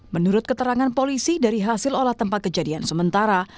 menurut keterangan polisi dari hasil olah tempat kejadian sementara